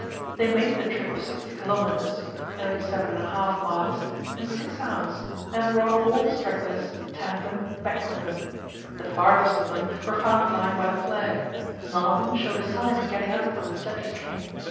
They made the trip of sixty kilometres (thirty seven and a half miles) in six hours, and brought all the stragglers ten of them back with them. The farthest of them were found lying by the flag; none of them showed a sign of getting up when the sledges came.